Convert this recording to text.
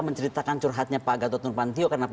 menceritakan curhatnya pak gatot nurpantio